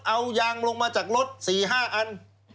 เอายางลงมาจากรถ๔๕อัน